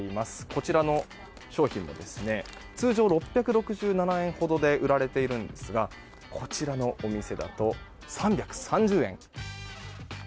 こちらの商品も、通常６６７円ほどで売られていますがこちらのお店だと３３０円。